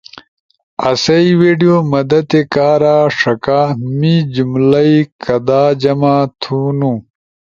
آسئی ویڈیو مدد تے کارا ݜکا۔ می جملئی کدا جمع تھونو؟